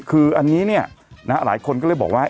คืออันนี้เนี่ยหลายคนก็เลยบอกว่า